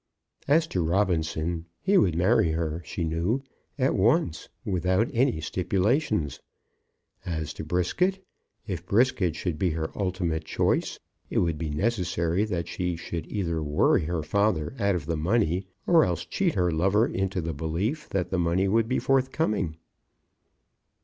As to Robinson, he would marry her, she knew, at once, without any stipulations. As to Brisket, if Brisket should be her ultimate choice, it would be necessary that she should either worry her father out of the money, or else cheat her lover into the belief that the money would be forthcoming.